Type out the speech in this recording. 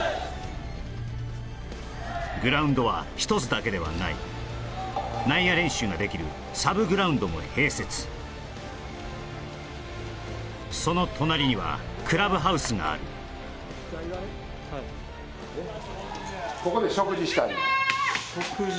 グラウンドは一つだけではない内野練習ができるも併設その隣にはクラブハウスがある食事？